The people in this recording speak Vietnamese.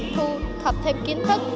thu thập thêm kiến thức